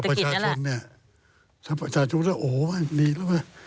สักประชาชุมเนี่ยสักประชาชุกต้องทิน